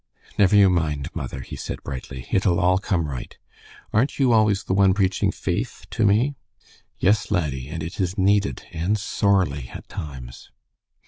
"Never you mind, mother," he said, brightly. "It'll all come right. Aren't you always the one preaching faith to me?" "Yes, laddie, and it is needed, and sorely at times."